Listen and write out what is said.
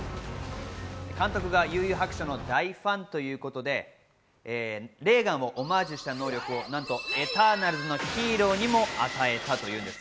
監督が『幽☆遊☆白書』の大ファンということで、霊丸をオマージュした能力をなんとエターナルズのヒーローにも与えたというんです。